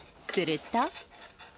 すると。